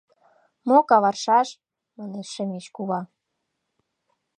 — Мо каваршаш! — манеш Шемеч кува.